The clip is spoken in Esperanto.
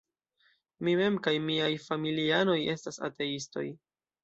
Mi mem kaj miaj familianoj estas ateistoj.